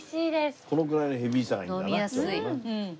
このぐらいのヘビーさがいいんだなちょうどな。